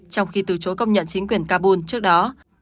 trong khi từ chối công nhận chính quyền kabul trước đó